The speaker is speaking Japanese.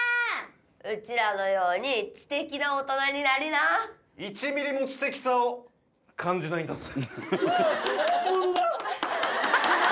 うちらのように知的な大人になりな１ｍｍも知的さを感じないんだぜ